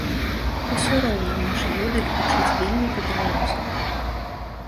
Усё роўна наш ёдэль гучыць вельмі па-беларуску.